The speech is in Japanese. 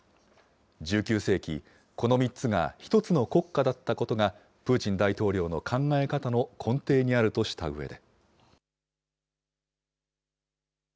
１９世紀、この３つが１つの国家だったことが、プーチン大統領の考え方の根底にあるとしたうえで。